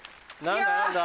何だ？